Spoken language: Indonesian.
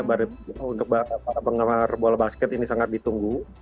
untuk para penggemar bola basket ini sangat ditunggu